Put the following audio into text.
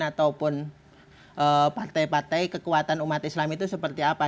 ataupun partai partai kekuatan umat islam itu seperti apa